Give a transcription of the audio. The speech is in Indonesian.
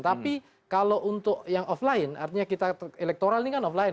tapi kalau untuk yang offline artinya kita elektoral ini kan offline